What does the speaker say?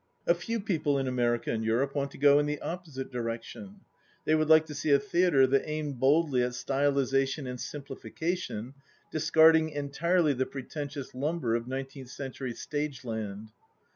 A few people in America and Europe want to go in the opposite direction. They would like to see a theatre that aimed boldly at stylization and simplification, discarding entirely the pretentious lum ber of 19th century stageland.